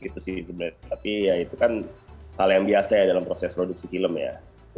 tapi ya itu kan hal yang biasa ya dalam proses produksi film ya